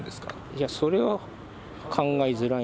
いや、それは考えづらい。